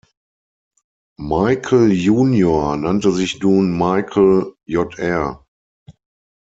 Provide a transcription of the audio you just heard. Michael Junior nannte sich nun Michael Jr.